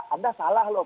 anda salah loh